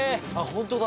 本当だ。